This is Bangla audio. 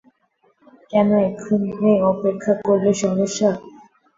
কেন এখনে অপেক্ষা করলে সমস্যা?